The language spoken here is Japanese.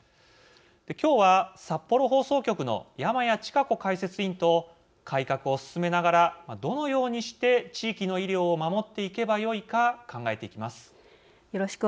今日は、札幌放送局の山屋智香子解説委員と改革を進めながらどのようにして地域の医療を守っていけばよいか考えていきます。